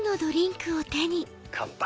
乾杯！